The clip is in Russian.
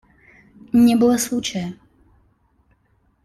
Не было случая.